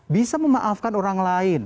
bisa memaafkan orang lain